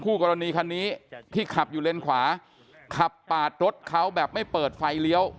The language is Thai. กรณีคันนี้ที่ขับอยู่เลนขวาขับปาดรถเขาแบบไม่เปิดไฟเลี้ยว